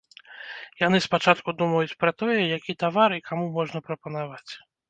Яны спачатку думаюць пра тое, які тавар і каму можна прапанаваць.